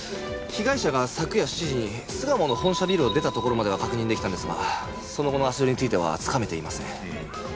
被害者が昨夜７時に巣鴨の本社ビルを出たところまでは確認出来たんですがその後の足取りについてはつかめていません。